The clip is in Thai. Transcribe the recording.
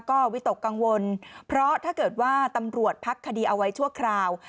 ก็วิตกกังวลเพราะถ้าเกิดว่าตำรวจพักคดีเอาไว้ชั่วคราว